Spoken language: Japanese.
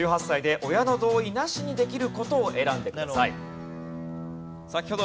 １８歳で親の同意なしにできる事を選んでください。